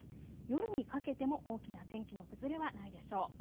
夜にかけても大きな天気の崩れはないでしょう。